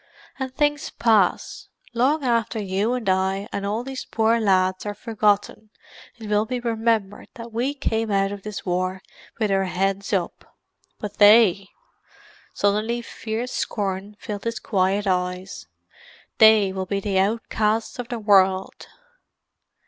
"And things pass. Long after you and I and all these poor lads are forgotten it will be remembered that we came out of this war with our heads up. But they——!" Suddenly fierce scorn filled his quiet eyes. "They will be the outcasts of the world!"